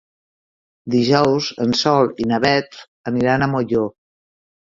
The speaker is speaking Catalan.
Dijous en Sol i na Beth aniran a Molló.